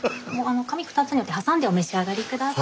紙二つに折って挟んでお召し上がり下さい。